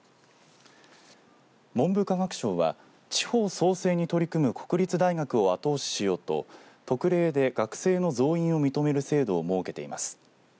文部科学省は地方創生に取り組む国立大学を後押ししようと特例で学生の増員を認める制度を設けています。